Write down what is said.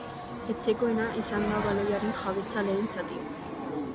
Etxekoena izan da baloiaren-jabetza lehen zatian.